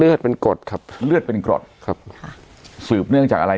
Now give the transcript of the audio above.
เป็นกรดครับเลือดเป็นกรดครับค่ะสืบเนื่องจากอะไร